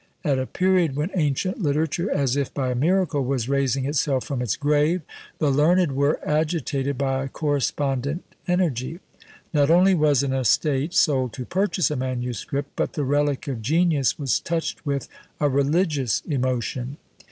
At a period when ancient literature, as if by a miracle, was raising itself from its grave, the learned were agitated by a correspondent energy; not only was an estate sold to purchase a manuscript, but the relic of genius was touched with a religious emotion.